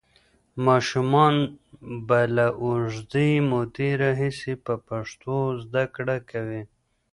ماشومان به له اوږدې مودې راهیسې په پښتو زده کړه کوي.